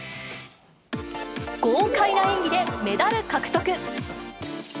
豪快な演技でメダル獲得！